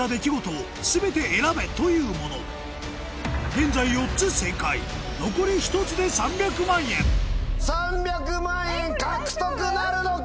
現在４つ正解残り１つで３００万円３００万円獲得なるのか！